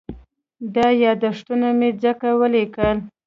دا یادښتونه مې ځکه ولیکل.